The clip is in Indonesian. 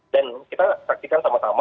dan kita praktikan sama